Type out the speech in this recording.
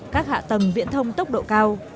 các hạ tầng viện thông tốc độ cao